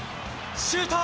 シュート！